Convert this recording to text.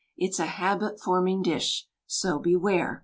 It's a habit forming dish, so beware!